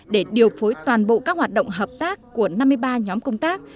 để điều phối toàn bộ các hoạt động hợp tác của năm mươi ba nhóm công tác